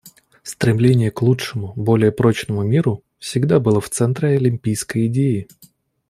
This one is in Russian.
Стремление к лучшему, более прочному миру всегда было в центре олимпийской идеи.